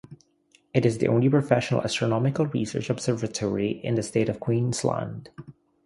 It is the only professional astronomical research observatory in the state of Queensland.